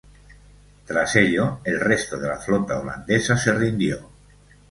Tras ello, el resto de la flota holandesa se rindió.